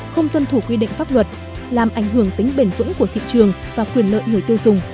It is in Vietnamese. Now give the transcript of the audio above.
không tuân thủ quy định pháp luật làm ảnh hưởng tính bền vững của thị trường và quyền lợi người tiêu dùng